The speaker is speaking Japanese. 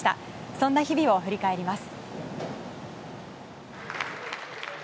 そんな日々を振り返ります。